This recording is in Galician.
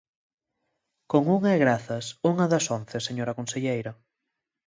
Con unha e grazas; unha das once, señora conselleira.